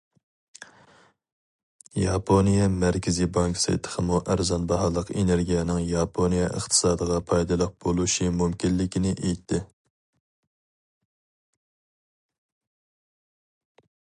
ياپونىيە مەركىزى بانكىسى تېخىمۇ ئەرزان باھالىق ئېنېرگىيەنىڭ ياپونىيە ئىقتىسادىغا پايدىلىق بولۇشى مۇمكىنلىكىنى ئېيتتى.